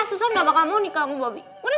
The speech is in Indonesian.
susah udah bakal mau nikah sama bobby